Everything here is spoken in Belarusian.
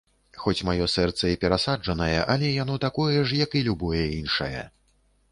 Хоць маё сэрца і перасаджанае, але яно такое ж, як і любое іншае.